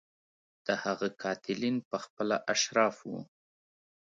د هغه قاتلین په خپله اشراف وو.